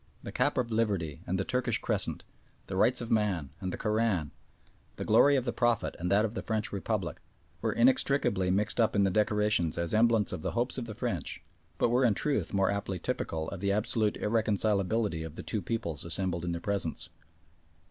The Cap of Liberty and the Turkish Crescent, the "Rights of Man" and the Koran, the glory of the Prophet and that of the French Republic, were inextricably mixed up in the decorations as emblems of the hopes of the French, but were in truth more aptly typical of the absolute irreconcilability of the two peoples assembled in their presence.